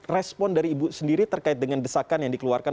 respon dari ibu sendiri terkait dengan desakan yang dikeluarkan